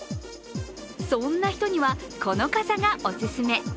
そんな人には、この傘がオススメ。